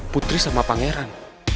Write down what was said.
putri sama pangeran